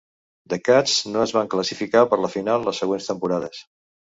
The Cats no es van classificar per la final les següents temporades.